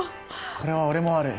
これは俺も悪い。